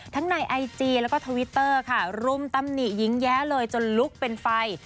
ในไอจีแล้วก็ทวิตเตอร์ค่ะรุมตำหนิหญิงแย้เลยจนลุกเป็นไฟ